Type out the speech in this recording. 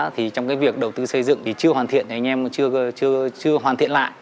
thì trong cái việc đầu tư xây dựng thì chưa hoàn thiện thì anh em chưa hoàn thiện lại